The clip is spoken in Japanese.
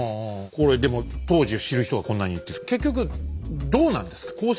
これでも当時を知る人がこんなに言ってて結局どうなんですか？